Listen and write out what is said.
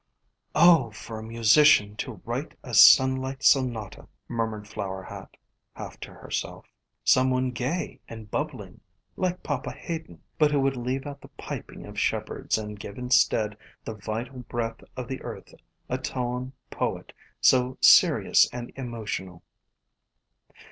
"Oh, for a musician to write a sunlight sonata!" murmured Flower Hat, half to herself. " Some one gay and bubbling, like Papa Haydn, but who would leave out the piping of shepherds and give instead the vital breath of the earth — a tone poet both serious and emo FLOWERS OF THE SUN 227 tional.